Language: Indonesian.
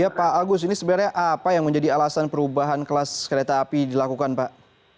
ya pak agus ini sebenarnya apa yang menjadi alasan perubahan kelas kereta api dilakukan pak